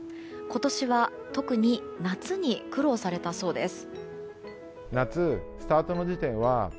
今年は特に夏に苦労されたそうです。